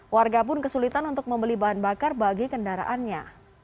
warga pun kesulitan untuk membeli bahan bakar bagi kendaraannya